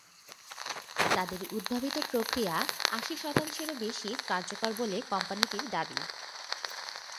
তাদের উদ্ভাবিত প্রক্রিয়া আশি শতাংশেরও বেশি কার্যকর বলে কোম্পানিটির দাবি।